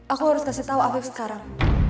aku harus kasih tau afif sekarang